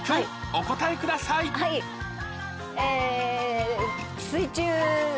お答えくださいをえ